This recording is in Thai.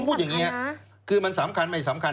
พูดอย่างนี้คือมันสำคัญไม่สำคัญ